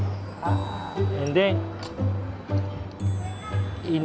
ini masuk dikit